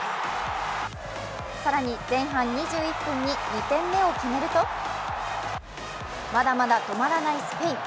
更に前半２１分に２点目を決めるとまだまだ止まらないスペイン。